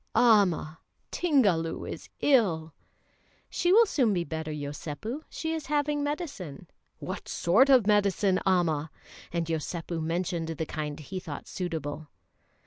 "Amma! Tingalu is ill!" "She will soon be better, Yosépu; she is having medicine." "What sort of medicine, Amma?" and Yosépu mentioned the kind he thought suitable.